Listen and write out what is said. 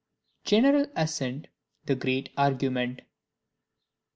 General Assent the great Argument.